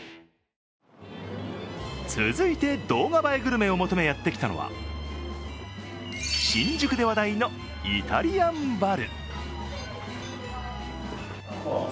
続いて、動画映えグルメを求めやってきたのは新宿で話題のイタリアンバル。